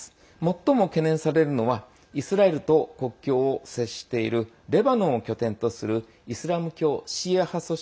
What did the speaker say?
最も懸念されるのはイスラエルと国境を接しているレバノンを拠点とするイスラム教シーア派組織